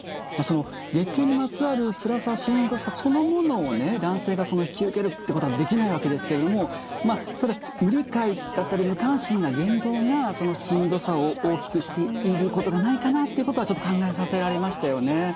その月経にまつわるつらさしんどさそのものをね男性が引き受けるってことはできないわけですけれどもただ無理解だったり無関心な言動がそのしんどさを大きくしていることがないかなっていうことはちょっと考えさせられましたよね。